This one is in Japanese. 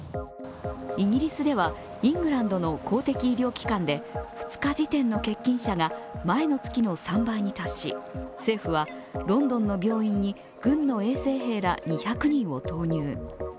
イギリスではイングランドの公的医療機関で２日時点の欠勤者が前の月の３倍に達し政府はロンドンの病院に軍の衛生兵など２００人を投入。